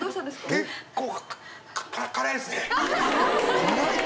結構。